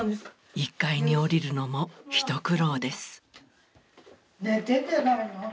１階に下りるのも一苦労です。